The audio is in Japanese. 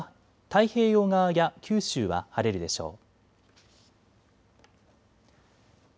太平洋側や九州は晴れるでしょう。